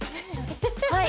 はい。